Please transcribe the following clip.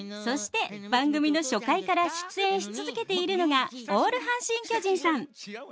そして番組の初回から出演し続けているのがオール阪神・巨人さん。